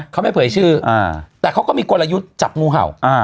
เขาไม่เผยชื่อแต่เขาก็มีกลยุทธ์จับงูเห่า